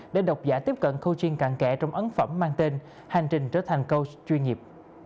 để đọc giả tiếp cận coaching cạn kẻ trong ấn phẩm mang tên hành trình trở thành coach chuyên nghiệp